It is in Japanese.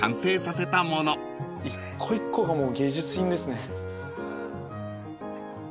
一個一個がもう芸術品ですね。